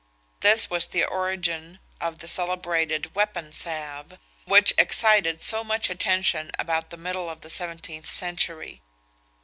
This was the origin of the celebrated "weapon salve," which excited so much attention about the middle of the seventeenth century.